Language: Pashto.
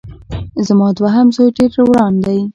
زما دوهم زوی ډېر وران دی